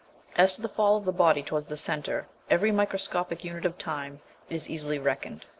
As to the fall of the body towards the centre every microscopic unit of time, it is easily reckoned.